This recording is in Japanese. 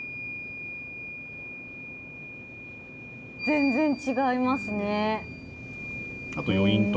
全然違いますね。